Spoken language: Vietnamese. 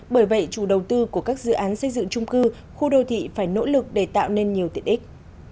bởi vậy chủ đầu tư của các dự án xây dựng trung cư khu đô thị phải nỗ lực để tạo nên nhiều tiện ích